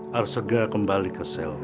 harus segera kembali ke sel